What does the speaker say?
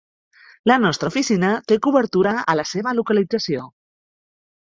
La nostra oficina té cobertura a la seva localització.